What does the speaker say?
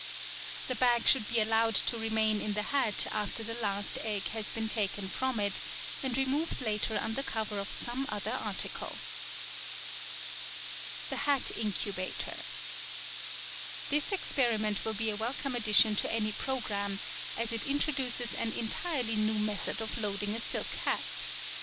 The bag should be allowed to remain in the hat after the last egg has been taken from it, and removed later under cover of some other article. The Hat Incubator.—This experiment will be a welcome addition to any programme, as it introduces an entirely new method of loading a silk hat.